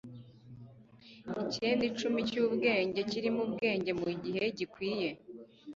icyenda-icumi cyubwenge kirimo ubwenge mugihe gikwiye